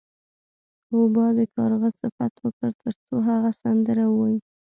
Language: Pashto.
روباه د کارغه صفت وکړ ترڅو هغه سندره ووایي.